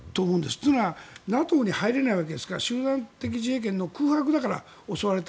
というのはＮＡＴＯに入れないわけですから集団的自衛権の空白だから襲われた。